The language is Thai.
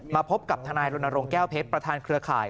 พบกับทนายรณรงค์แก้วเพชรประธานเครือข่าย